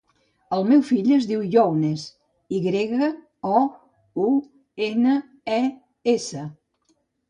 El meu fill es diu Younes: i grega, o, u, ena, e, essa.